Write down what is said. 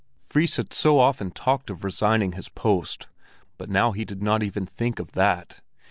Fris had so often talked of resigning his post, but now he did not even think of that.